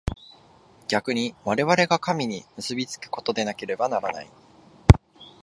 逆に我々が神に結び附くことでなければならない。